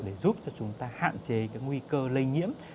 để giúp chúng ta hạn chế nguy cơ lây nhiễm